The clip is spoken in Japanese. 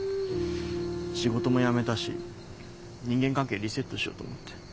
仕事も辞めたし人間関係リセットしようと思って。